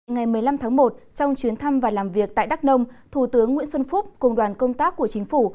ngày một mươi năm tháng một trong chuyến thăm và làm việc tại đắk nông thủ tướng nguyễn xuân phúc cùng đoàn công tác của chính phủ